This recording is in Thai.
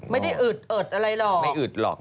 ไม่ได้อึดอะไรหรอกน้างไม่อึดหรอก